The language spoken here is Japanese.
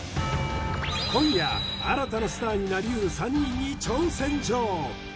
今夜新たなスターになりうる３人に挑戦状！